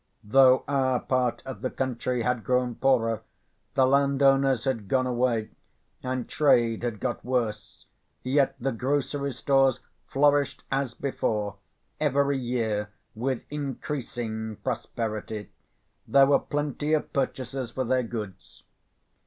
Though our part of the country had grown poorer, the landowners had gone away, and trade had got worse, yet the grocery stores flourished as before, every year with increasing prosperity; there were plenty of purchasers for their goods.